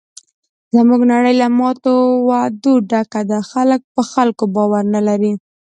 زموږ نړۍ له ماتو وعدو ډکه ده. خلک په خلکو باور نه کوي.